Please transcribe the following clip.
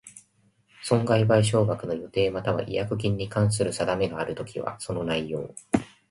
損害賠償額の予定又は違約金に関する定めがあるときは、その内容